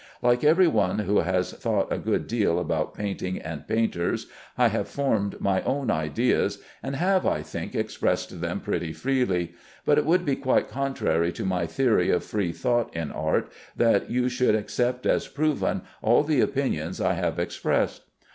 Like every one who has thought a good deal about painting and painters, I have formed my own ideas, and have, I think, expressed them pretty freely; but it would be quite contrary to my theory of free thought in art that you should accept as proven all the opinions I have expressed.